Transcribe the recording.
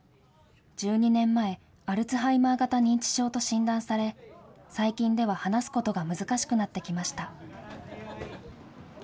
１２年前、アルツハイマー型認知症と診断され、最近では話すことが難しくなってきました。